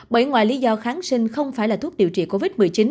bởi ngoài lý do kháng sinh không phải là thuốc điều trị covid một mươi chín